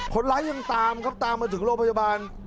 คนร้ายยังตามครับตามมาถึงโรงพยาบาล